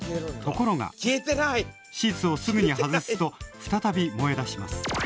ところがシーツをすぐに外すと再び燃え出します